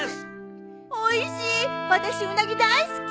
おいしい私ウナギ大好き。